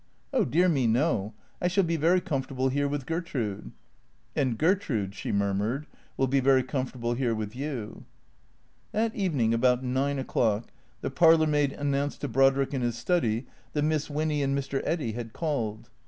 " Oh dear me, no. I shall be very comfortable here with Ger trude." " And Gertrude," she murmured, " will be very comfortable here with you." That evening, about nine o'clock, the parlourmaid announced to Brodrick in his study that Miss Winny and Mr. Eddy had called.